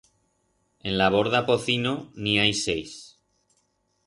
En la borda Pocino n'i hai seis.